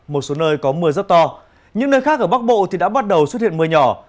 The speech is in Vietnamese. một số nơi có mưa rất to những nơi khác ở bắc bộ thì đã bắt đầu xuất hiện mưa nhỏ